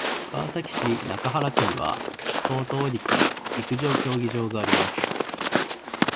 川崎市中原区には等々力陸上競技場があります。